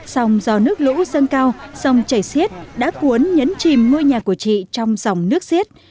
sông do nước lũ dâng cao sông chảy xiết đã cuốn nhấn chìm ngôi nhà của chị trong dòng nước xiết